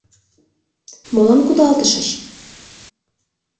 Молан кудалтышыч?